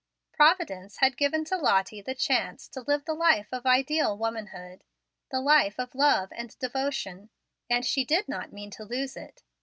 Providence had given to Lottie the chance to live the life of ideal womanhood, the life of love and devotion, and she did not mean to lose it.